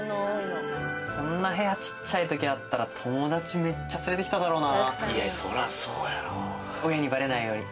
こんな部屋ちっちゃいときあったら、友達めっちゃ連れてきただろうな。